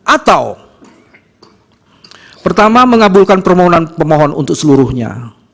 atau pertama mengabulkan permohonan pemohon untuk seluruhnya